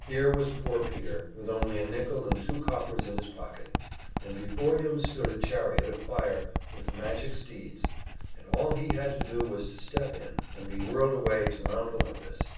Here was poor Peter, with only a nickel and two coppers in his pocket, and before him stood a chariot of fire with magic steeds, and all he had to do was to step in, and be whirled away to Mount Olympus.